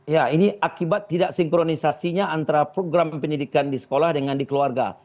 ya ini akibat tidak sinkronisasinya antara program pendidikan di sekolah dengan di keluarga